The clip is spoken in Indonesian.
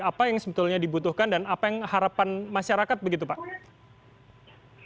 apa yang sebetulnya dibutuhkan dan apa yang harapan masyarakat begitu pak